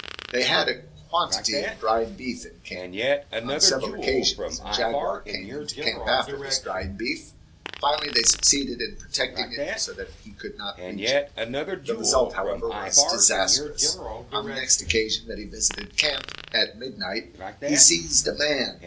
They had a quantity of dried beef in camp. On several occasions a jaguar came into camp after this dried beef. Finally they succeeded in protecting it so that he could not reach it. The result, however, was disastrous. On the next occasion that he visited camp, at midnight, he seized a man.